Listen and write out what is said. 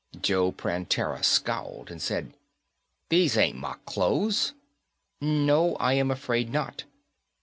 Joe Prantera scowled and said, "These ain't my clothes." "No, I am afraid not."